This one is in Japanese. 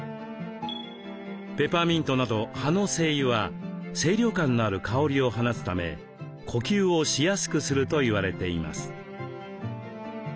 ペパーミントなど葉の精油は清涼感のある香りを放つため呼吸をしやすくすると言われています。